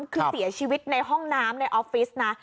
คือเสียชีวิตในห้องน้ำในออฟฟิศนะ